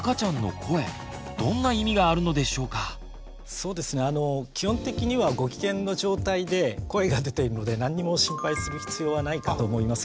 そうですねあの基本的にはご機嫌の状態で声が出ているので何も心配する必要はないかと思いますけれども。